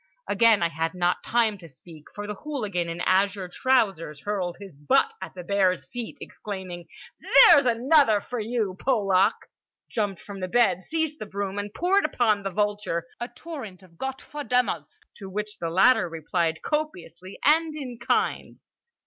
Again I had not time to speak; for the hooligan in azure trousers hurled his butt at the bear's feet, exclaiming: "There's another for you, Polak!"—jumped from the bed, seized the broom, and poured upon the vulture a torrent of Gott ver dummers, to which the latter replied copiously and in kind.